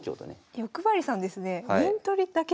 欲張りさんですねえ。